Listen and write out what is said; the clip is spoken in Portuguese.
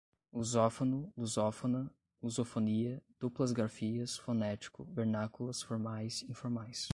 lusófono, lusófona, lusofonia, duplas grafias, fonético, vernáculas, formais, informais